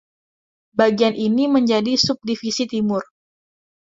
Bagian ini menjadi Subdivisi Timur.